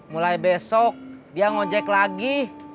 mulai besok dia ngojek lagi